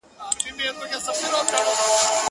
• در جارېږم پکښي اوسه زما دي زړه جنت جنت کړ,